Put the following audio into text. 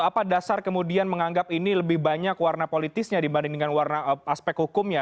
apa dasar kemudian menganggap ini lebih banyak warna politisnya dibanding dengan warna aspek hukumnya